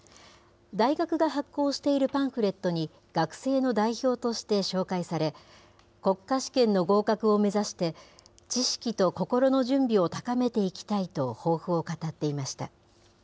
大学が発行しているパンフレットに学生の代表として紹介され、国家試験の合格を目指して、知識と心の準備を高めていきたいと抱負を語っていました。